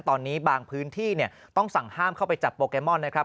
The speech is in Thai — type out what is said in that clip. ตอนนี้บางพื้นที่เนี่ยต้องสั่งห้ามเข้าไปจับโปเกมอนนะครับ